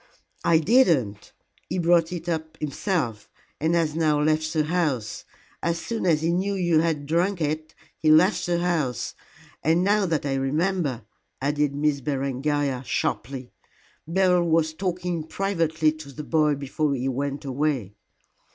"I did not. He brought it up himself, and has now left the house. As soon as he knew you had drunk it, he left the house. And now that I remember," added Miss Berengaria, sharply, "Beryl was talking privately to the boy before he went away."